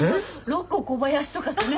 ロッコー小林とかってね。